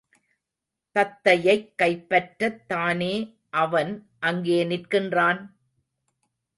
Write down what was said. தத்தையைக் கைப்பற்றத் தானே அவன் அங்கே நிற்கிறான்?